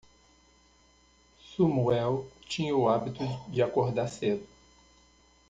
Sumuel tinha o hábito de acordar cedo.